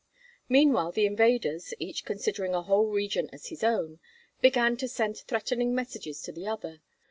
Meanwhile the invaders, each considering a whole region as his own, began to send threatening messages to the other.